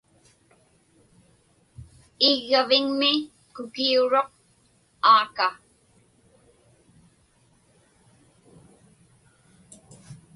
Iggaviŋmi kukiuruq aaka.